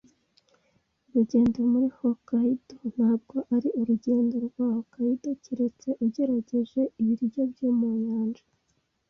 Urugendo muri Hokkaido ntabwo ari urugendo rwa Hokkaido keretse ugerageje ibiryo byo mu nyanja.